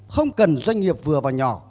không cần doanh nghiệp vừa và nhỏ